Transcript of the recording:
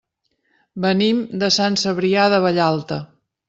Venim de Sant Cebrià de Vallalta.